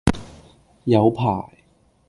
有排